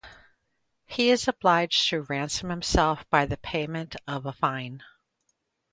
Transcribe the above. He is obliged to ransom himself by the payment of a fine.